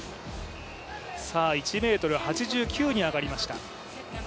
１ｍ８９に上がりました。